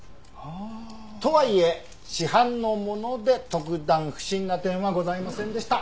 ああ！とはいえ市販のもので特段不審な点はございませんでした。